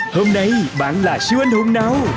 hôm nay bạn là siêu anh hùng nào